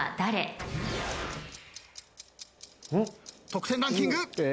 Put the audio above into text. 得点ランキング。